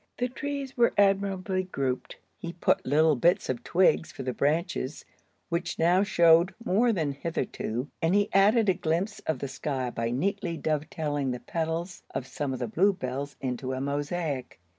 The trees were admirably grouped; he put little bits of twigs for the branches, which now showed more than hitherto, and he added a glimpse of the sky by neatly dovetailing the petals of some bluebells into a mosaic.